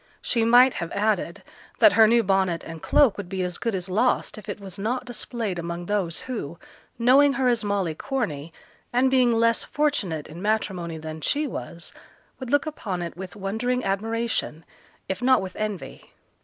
She might have added, that her new bonnet and cloak would be as good as lost if it was not displayed among those who, knowing her as Molly Corney, and being less fortunate in matrimony than she was, would look upon it with wondering admiration, if not with envy.